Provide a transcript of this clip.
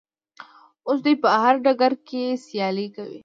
اوس دوی په هر ډګر کې سیالي کوي.